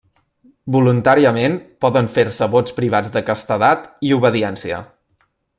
Voluntàriament, poden fer-se vots privats de castedat i obediència.